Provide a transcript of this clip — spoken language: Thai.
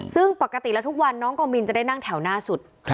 ซึ่งปกติแล้วทุกวันน้องกองมินจะได้นั่งแถวหน้าสุด